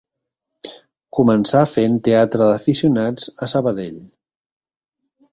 Començà fent teatre d'aficionats a Sabadell.